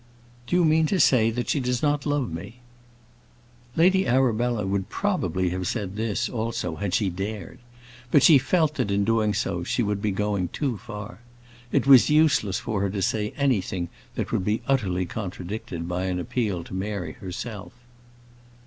"Do you mean to say that she does not love me?" Lady Arabella would probably have said this, also, had she dared; but she felt, that in doing so, she would be going too far. It was useless for her to say anything that would be utterly contradicted by an appeal to Mary herself.